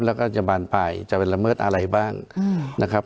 แล้วก็จะบานปลายจะไปละเมิดอะไรบ้างนะครับ